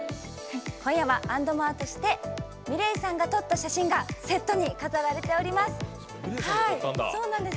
今夜はａｎｄｍｏｒｅとしてｍｉｌｅｔさんが撮った写真がセットに飾られております。